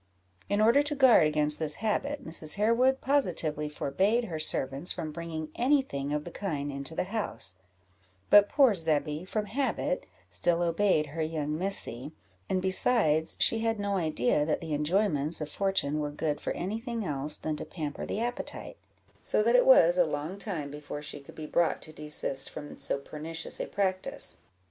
In order to guard against this habit, Mrs. Harewood positively forbade her servants from bringing any thing of the kind into the house; but poor Zebby, from habit, still obeyed her young Missy, and, besides, she had no idea that the enjoyments of fortune were good for any thing else than to pamper the appetite; so that it was a long time before she could be brought to desist from so pernicious a practice.